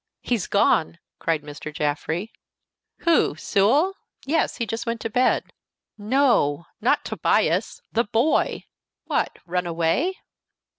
"He's gone!" cried Mr. Jaffrey. "Who? Sewell? Yes, he just went to bed." "No, not Tobias the boy!" "What, run away?"